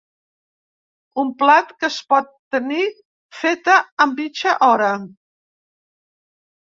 Un plat que es pot tenir feta amb mitja hora.